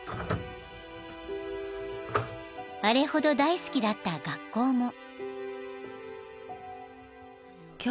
［あれほど大好きだった学校も］